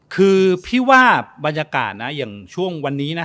คือพี่ว่าบรรยากาศนะอย่างช่วงวันนี้นะ